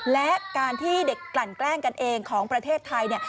และการที่เด็กกลั่นแกล้งกันเองของประเทศไทยเนี่ย